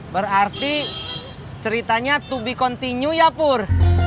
berarti ceritanya to be continue ya pur